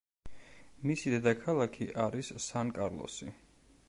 მისი დედაქალაქი არის სან კარლოსი.